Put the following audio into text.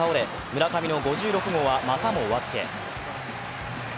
村上の５６号はまたもお預け。